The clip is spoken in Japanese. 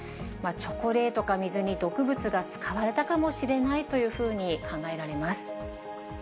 チョコレートか水に毒物が使われたかもしれないというふうに考えられます。